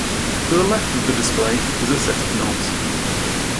To the left of the display is a set of knobs.